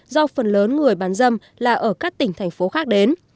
do phần lớn người bán dâm là ở các tỉnh thành phố khác đến